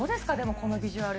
このビジュアル。